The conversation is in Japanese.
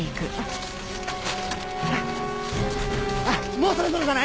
もうそろそろじゃない？